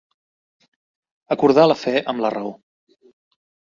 Acordar la fe amb la raó.